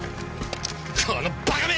このバカめ！！